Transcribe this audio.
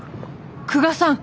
久我さん